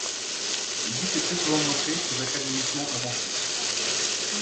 Gus est très souvent montré très académiquement avancé.